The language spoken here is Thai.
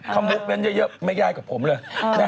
คำพูดเยอะแล้วไม่ได้กับผมเลย